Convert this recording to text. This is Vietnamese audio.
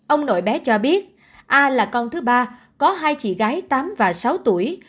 ông nội bé cho biết a là con thứ ba có hai chị gái tám và sáu tuổi